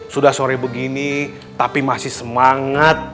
sudah sore begini tapi masih semangat